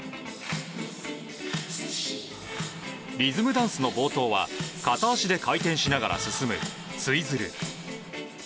リズムダンスの冒頭は片足で回転しながら進むツイズル。